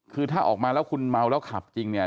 คือถ้าออกมาแล้วคุณเมาแล้วขับจริงเนี่ย